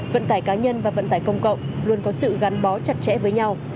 vận tải cá nhân và vận tải công cộng luôn có sự gắn bó chặt chẽ với nhau